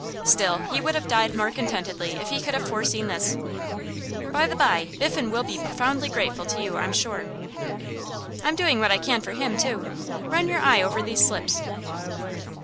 Still, he would have died more contentedly if he could have foreseen this. By the by, Biffen will be profoundly grateful to you, I'm sure.' 'I'm doing what I can for him, too. Run your eye over these slips.